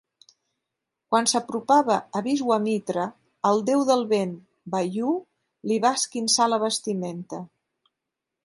Quan s'apropava a Viswamitra, el déu del vent Vayu li va esquinçar la vestimenta.